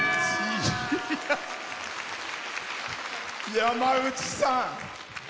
山内さん！